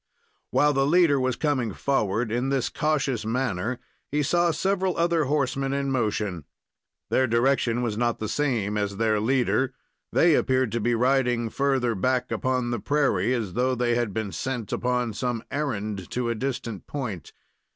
While the leader was coming forward in this cautious manner, he saw several other horsemen in motion. Their direction was not the same as their leader. They appeared to be riding further back upon the prairie, as though they had been sent upon some errand to a distant point.